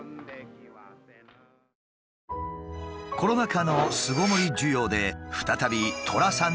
コロナ禍の巣ごもり需要で再び「寅さん」